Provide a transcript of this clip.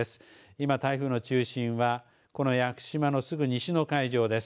今、台風の中心は屋久島のすぐ西の海上です。